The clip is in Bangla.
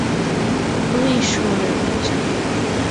তোই শুয়োরের বাচ্চা!